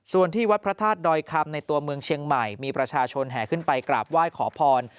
ส่วนที่วัดพระธาตุดอยคำในตัวเมืองเชียงใหม่มีประชาชนแห่ขึ้นไปกราบไหว้ขอพร